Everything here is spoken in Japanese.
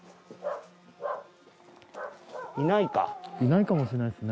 いないかもしれないですね。